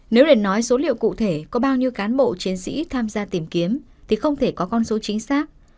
nếu để nói số liệu cụ thể có bao nhiêu cán bộ chiến sĩ tham gia tìm kiếm thì không thể có con số chính xác